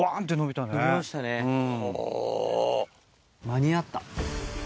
間に合った。